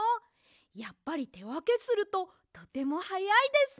やっぱりてわけするととてもはやいですね。